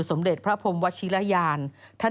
สมเด็จพระพรมวชิระยาน